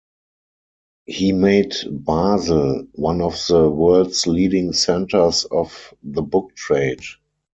He made Basel one of the world's leading centres of the book trade.